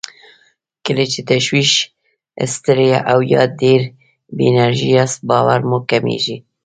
کله چې تشویش، ستړی او يا ډېر بې انرژي ياست باور مو کمېږي.